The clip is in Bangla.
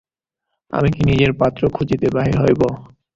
আমি কি নিজে পাত্র খুঁজিতে বাহির হইব।